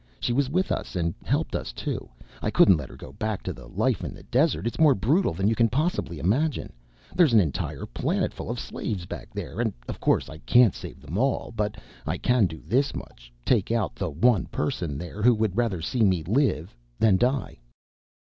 She was with us, and helped us, too. I couldn't let her go back to the life in the desert, it's more brutal than you can possibly imagine. There is an entire planetful of slaves back there, and of course I can't save them all. But I can do this much, take out the one person there who would rather see me live than die."